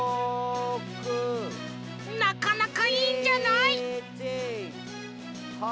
なかなかいいんじゃない？